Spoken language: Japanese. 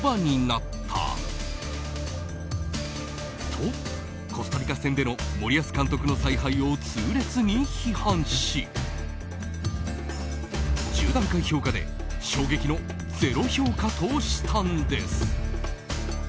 と、コスタリカ戦での森保監督の采配を痛烈に批判し１０段階評価で衝撃の０評価としたんです。